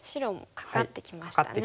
カカってきました。